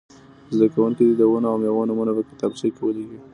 زده کوونکي دې د ونو او مېوو نومونه په کتابچه کې ولیکي.